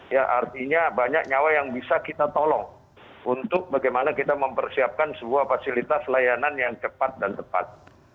ya artinya banyak nyawa yang bisa kita tolong untuk bagaimana kita mempersiapkan sebuah fasilitas layanan yang cepat dan tepat